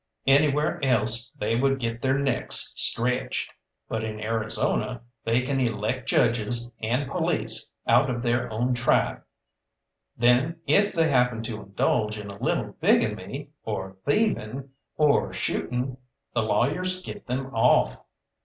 Anywhere else they would get their necks stretched, but in Arizona they can elect judges and police out of their own tribe. Then if they happen to indulge in a little bigamy, or thieving, or shooting, the lawyers get them off.